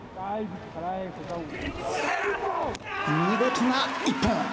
見事な一本。